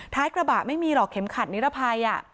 ท้ายกระบะไม่มีหรอกเข็มขัดนิรภัย